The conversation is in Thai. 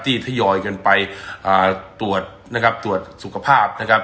ทยอยกันไปตรวจนะครับตรวจสุขภาพนะครับ